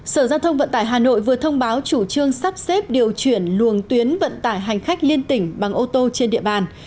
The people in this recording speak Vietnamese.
sở giao thông vận tải hà nội vừa thông báo chủ trương sắp xếp điều chuyển luồng tuyến vận tải hành khách liên tỉnh bằng ô tô trên địa bàn